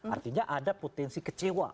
artinya ada potensi kecewa